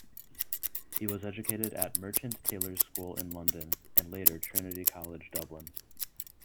He was educated at Merchant Taylor's School in London and later Trinity College, Dublin.